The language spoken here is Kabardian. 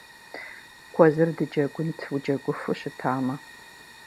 Куэзыр дыджэгунт, уджэгуфу щытамэ.